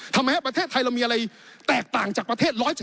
ทำให้ประเทศไทยเรามีอะไรแตกต่างจากประเทศ๑๗